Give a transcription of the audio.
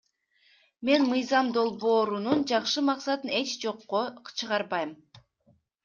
Мен мыйзам долбоорунун жакшы максатын эч жокко чыгарбайм.